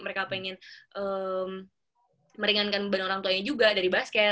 mereka pengen meringankan beban orang tuanya juga dari basket